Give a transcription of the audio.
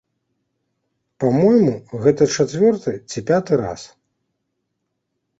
Па-мойму, гэта чацвёрты ці пяты раз.